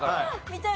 見たい！